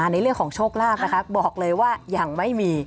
ในเรื่องของโชคลาภนะคะบอกเลยว่ายังไม่มี